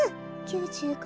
９５。